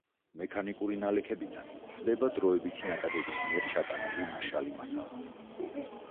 მექანიკური ნალექებიდან გვხვდება დროებითი ნაკადების მიერ ჩატანილი ნაშალი მასალა.